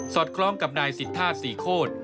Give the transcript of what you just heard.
สอดคล้องกับนายศิษฐาสี่โคตร